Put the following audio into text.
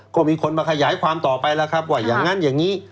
ก็มีคนมาขยายความต่อไปแล้วครับว่าอย่างนั้นอย่างนี้